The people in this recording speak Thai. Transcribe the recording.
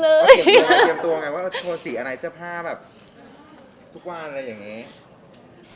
เตรียมตัวไงว่าโชว์สีอะไรเสื้อผ้าแบบทุกวันอะไรอย่างนี้